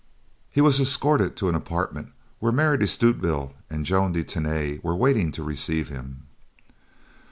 He was escorted to an apartment where Mary de Stutevill and Joan de Tany were waiting to receive him.